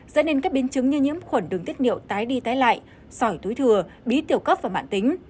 dẫn đến các biến chứng như nhiễm khuẩn đường tiết niệu tái đi tái lại sỏi túi thừa bí tiểu cốc và mạng tính